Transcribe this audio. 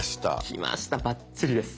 きましたバッチリです！